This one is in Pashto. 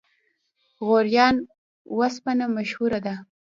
غوریان وسپنه مشهوره ده؟